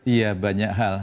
iya banyak hal